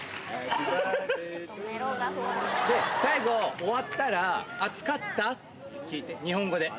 最後、終わったら、熱かった？って聞いて、日本語で。